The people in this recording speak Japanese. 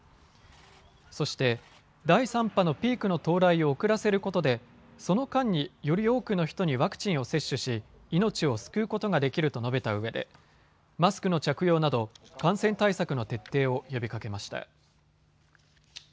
そして、第３波のピークの到来を遅らせることでその間に、より多くの人にワクチンを接種し命を救うことができると述べたうえでマスクの着用など感染対策の徹底を呼びかけました。